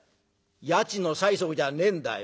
「家賃の催促じゃねえんだよ。